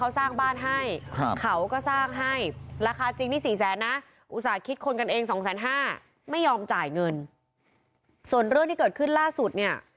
ส่วนเรื่องที่เกิดขึ้นล่าสุดเนี่ย